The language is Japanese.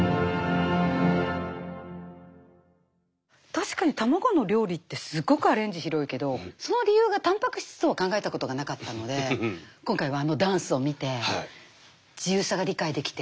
確かに卵の料理ってすごくアレンジ広いけどその理由がたんぱく質とは考えたことがなかったので今回はあのダンスを見て自由さが理解できて。